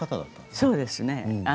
そうですね。